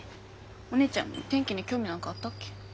お姉ちゃん天気に興味なんかあったっけ？